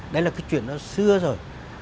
đấy là cái chuyện nó xưa rồi